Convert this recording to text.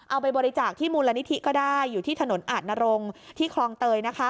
เอาไปบริจาคที่มูลนิธิก็ได้อยู่ที่ถนนอาจนรงค์ที่คลองเตยนะคะ